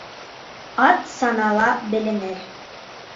Ат санала беленер.